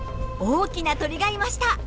大きな鳥がいました。